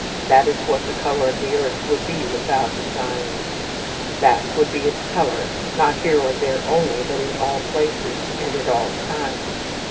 That is what the colour of the earth would be without its iron; that would be its colour, not here or there only, but in all places, and at all times.